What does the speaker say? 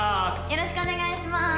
よろしくお願いします。